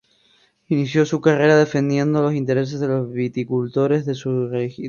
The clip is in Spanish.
Inició su carrera defendiendo los intereses de los viticultores de su región.